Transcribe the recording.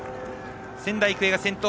仙台育英が先頭。